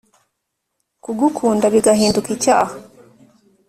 kugukunda bigahinduka icyaha